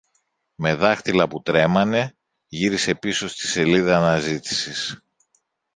Με δάχτυλα που τρέμανε γύρισε πίσω στη σελίδα αναζήτησης